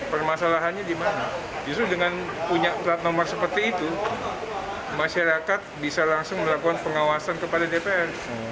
permasalahannya di mana justru dengan punya plat nomor seperti itu masyarakat bisa langsung melakukan pengawasan kepada dpr